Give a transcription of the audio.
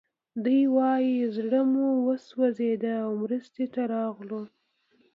دوی وايي زړه مو وسوځېد او مرستې ته راغلو